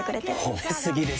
褒め過ぎですよ。